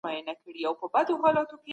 قرآن د زور له لاري ایمان نه مني.